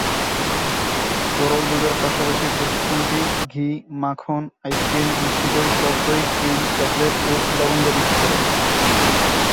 তরল দুধের পাশাপাশি প্রতিষ্ঠানটি ঘি, মাখন, আইসক্রিম, মিষ্টি দই, টক দই, ক্রিম, চকলেট ও লবঙ্গ বিক্রি করে।